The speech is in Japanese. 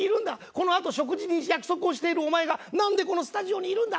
このあと食事に行く約束をしているお前がなんでこのスタジオにいるんだ！